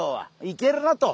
いけるなと。